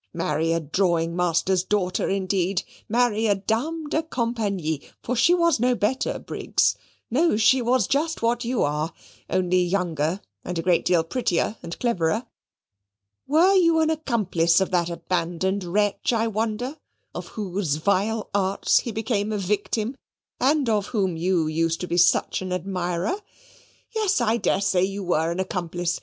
Marry a drawing master's daughter, indeed! marry a dame de compagnie for she was no better, Briggs; no, she was just what you are only younger, and a great deal prettier and cleverer. Were you an accomplice of that abandoned wretch, I wonder, of whose vile arts he became a victim, and of whom you used to be such an admirer? Yes, I daresay you were an accomplice.